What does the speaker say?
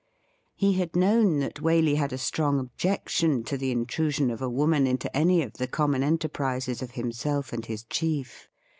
He had known that Waley had a strong objection to the intrusion of a woman into any of the common enterprises of himself and his chief.